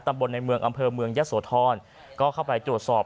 ตรำบนในเมืองอำเภอมืืองเหยะสทศรก็เข้าไปจวดสอบ